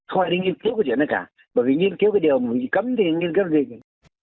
không ai đi nghiên cứu cái chuyện này cả bởi vì nghiên cứu cái điều mà mình cấm thì nghiên cứu cái gì cả